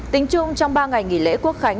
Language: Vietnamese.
tính chung trong ba ngày nghỉ lễ quốc khánh